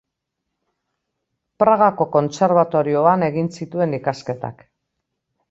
Pragako kontserbatorioan egin zituen ikasketak.